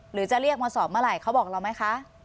หรือจะเรียกมาสอบเมื่อไหร่เขาบอกเราไหมคะ